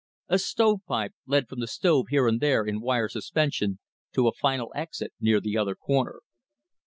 A stovepipe led from the stove here and there in wire suspension to a final exit near the other corner.